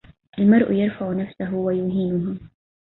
المرء يرفع نفسه ويهينها